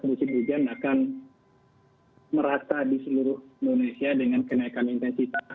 musim hujan akan merata di seluruh indonesia dengan kenaikan intensitas